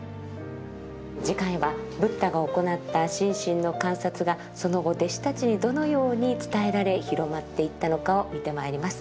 次回はブッダが行った心身の観察がその後弟子たちにどのように伝えられ広まっていったのかを見てまいります。